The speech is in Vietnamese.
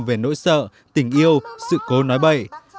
về nỗi sợ tình yêu sự cố nói bậy